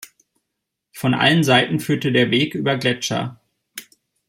Von allen Seiten führt der Weg über Gletscher.